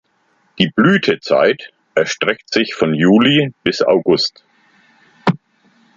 Die Blütezeit erstreckt sich von Juli bis August.